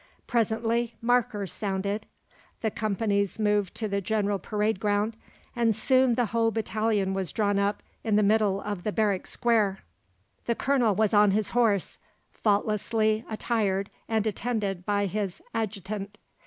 Presently Markers sounded, the companies moved to the general parade ground, and soon the whole battalion was drawn up in the middle of the barrack square. The Colonel was on his horse, faultlessly attired, and attended by his Adjutant.